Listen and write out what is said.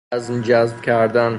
عزم جزم کردن